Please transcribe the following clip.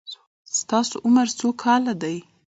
ستاسو عمر څو کاله دی؟